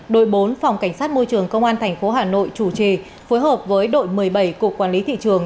đội bốn phòng cảnh sát môi trường công an tp hà nội chủ trì phối hợp với đội một mươi bảy cục quản lý thị trường